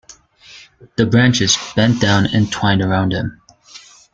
The branches bent down and twined around him.